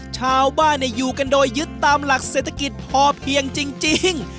ชาวบ้านอยู่กันโดยยึดตามหลักเศรษฐกิจพอเพียงจริง